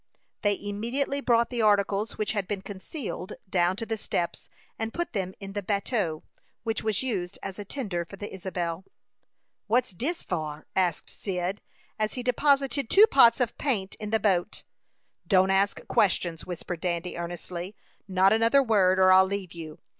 They immediately brought the articles which had been concealed down to the steps, and put them in the bateau, which was used as a tender for the Isabel. "What's dis for?" asked Cyd, as he deposited two pots of paint in the boat. "Don't ask questions," whispered Dandy, earnestly. "Not another word, or I'll leave you.